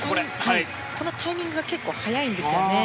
このタイミングが結構早いんですね。